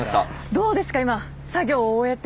どうですか今作業を終えて。